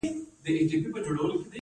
ایا زه باید غل شم؟